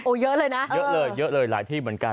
โอ๊ยเยอะเลยนะเออเยอะเลยหลายทีเหมือนกัน